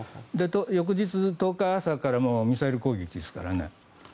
翌日１０日朝からミサイル攻撃ですからね。